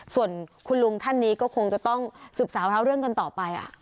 ส่วนคุณลุงท่านนี้ก็คงจะต้องสืบสาวเท้าเรื่องกันต่อไป